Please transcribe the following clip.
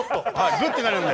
ぐってなるんで。